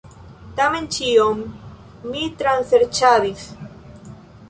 Tamen ĉion mi traserĉadis.